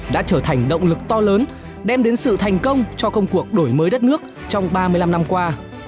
đã trở thành động lực to lớn đem đến sự thành công cho công cuộc đổi mới đất nước trong ba mươi năm năm qua